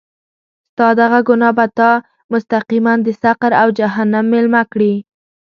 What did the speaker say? ستا دغه ګناه به تا مستقیماً د سقر او جهنم میلمه کړي.